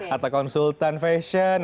atau konsultan fashion